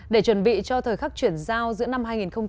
để chuẩn bị cho thời khắc chuyển giao giữa năm hai nghìn một mươi bảy